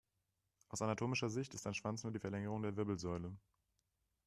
Aus anatomischer Sicht ist ein Schwanz nur die Verlängerung der Wirbelsäule.